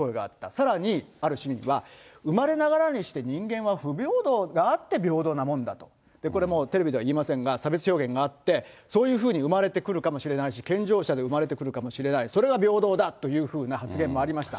さらに、ある市民は生まれながらにして人間は不平等があって平等なもんだと、これもうテレビでは言えませんが、差別表現があって、そういうふうに生まれてくるかもしれないし、健常者で生まれてくるかもしれない、それが平等だというふうな発言もありました。